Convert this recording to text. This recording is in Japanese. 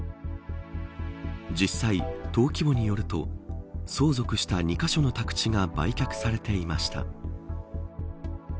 実際、登記簿によると相続した２カ所の宅地が売却されていました。